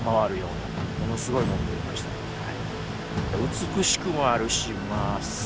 美しくもあるしまあすごい。